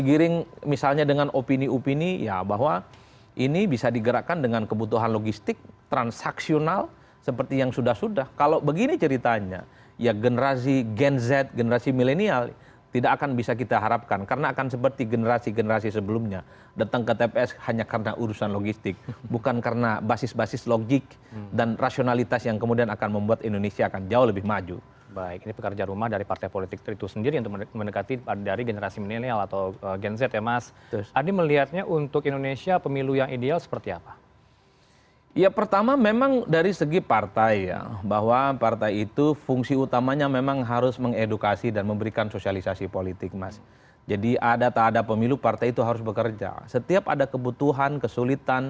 verifikasi administrasi dilanjutkan verifikasi faktual